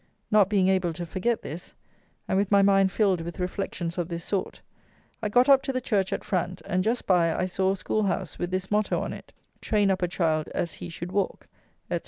Not being able to forget this, and with my mind filled with reflections of this sort, I got up to the church at Frant, and just by I saw a School house with this motto on it: "Train up a child as he should walk," &c.